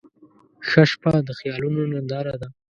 • شپه د خیالونو ننداره ده.